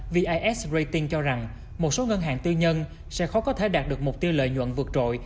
vis rating cho rằng một số ngân hàng tư nhân sẽ khó có thể đạt được mục tiêu lợi nhuận vượt trội